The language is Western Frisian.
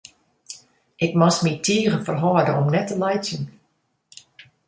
Ik moast my tige ferhâlde om net te laitsjen.